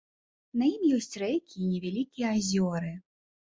На ім ёсць рэкі і невялікія азёры.